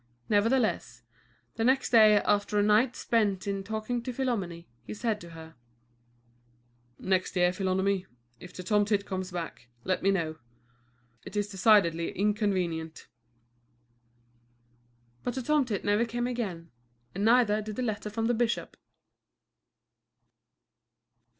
Nevertheless, the next day, after a night spent in talking to Philomène, he said to her: "Next year, Philomène, if the tomtit comes back, let me know. It is decidedly inconvenient." But the tomtit never came again and neither did the letter from the bishop!